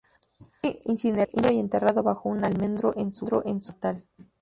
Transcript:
Fue incinerado y enterrado bajo un almendro en su pueblo natal.